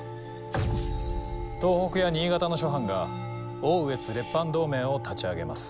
東北や新潟の諸藩が奥羽越列藩同盟を立ち上げます。